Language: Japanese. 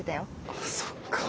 あっそっか。